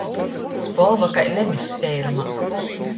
Spolva kai lemess teirumā.